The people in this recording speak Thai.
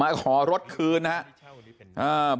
ขอรถคืนนะครับ